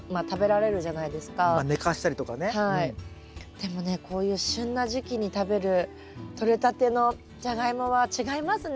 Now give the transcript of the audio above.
でもねこういう旬な時期に食べるとれたてのジャガイモは違いますね。